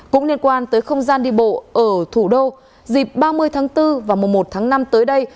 cũng liên quan tới không gian đi bộ ở thủ đô dịp ba mươi tháng bốn và mùa một tháng năm tới đây